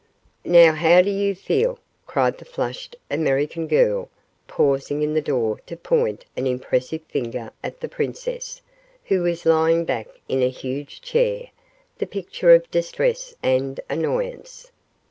"Now, how do you feel?" cried the flushed American girl, pausing in the door to point an impressive finger at the princess, who was lying back in a huge chair, the picture of distress and annoyance.